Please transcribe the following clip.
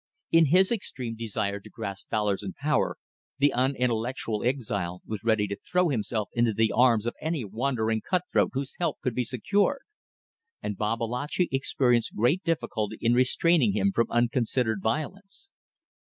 In his extreme desire to grasp dollars and power, the unintellectual exile was ready to throw himself into the arms of any wandering cut throat whose help could be secured, and Babalatchi experienced great difficulty in restraining him from unconsidered violence.